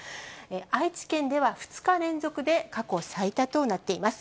愛知県では２日連続で過去最多となっています。